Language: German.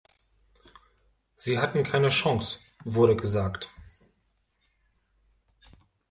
Sie hatten keine Chance, wurde gesagt.